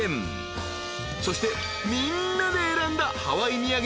［そしてみんなで選んだハワイ土産もプレゼント］